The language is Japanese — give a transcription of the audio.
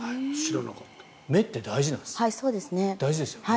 目って大事なんですね。